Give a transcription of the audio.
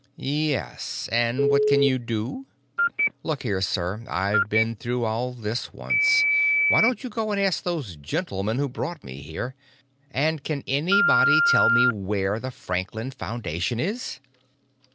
"Yes. And what can you do?" "Look here, sir. I've been through all this once. Why don't you go and ask those gentlemen who brought me here? And can anybody tell me where the Franklin Foundation is?"